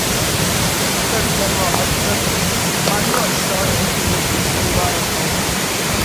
হকের জন্ম হযরত পান্ডুয়া শহরে একটি মুসলিম পরিবারে হয়েছিল।